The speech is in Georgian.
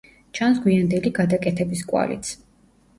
ჩანს გვიანდელი გადაკეთების კვალიც.